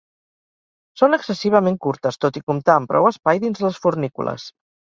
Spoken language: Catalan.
Són excessivament curtes, tot i comptar amb prou espai dins les fornícules.